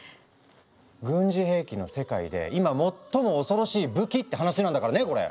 軍事兵器の世界で今最も恐ろしい武器って話なんだからねこれ。